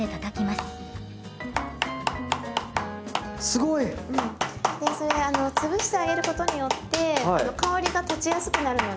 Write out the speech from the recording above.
すごい！それ潰してあげることによって香りが立ちやすくなるので。